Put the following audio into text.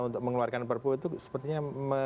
untuk mengeluarkan perpu itu sepertinya